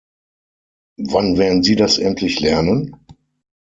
Wann werden Sie das endlich lernen?